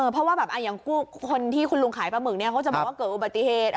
เพราะว่าแบบอย่างคนที่คุณลุงขายปลาหมึกเนี่ยเขาจะบอกว่าเกิดอุบัติเหตุ